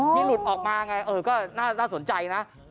ที่หลุดออกมาไงก็น่าสนใจนะ